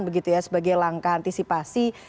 begitu ya sebagai langkah antisipasi